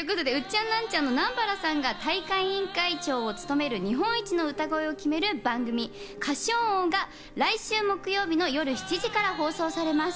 ウッチャンナンチャンの南原さんが大会委員長を務める日本一の歌声を決める番組『歌唱王』が来週木曜日の夜７時から放送されます。